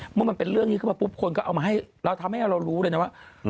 เมื่อมันเป็นเรื่องนี้ก็แบบกุ๊บโครงก็เอามาให้ทำให้รู้เลยนะว่า